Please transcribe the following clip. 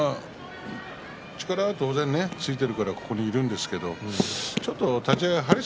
力は当然ついているからここにいるんですけどちょっと立ち合い張り